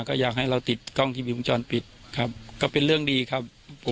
ก็อยากให้เราติดกล้องที่มีวงจรปิดครับก็เป็นเรื่องดีครับ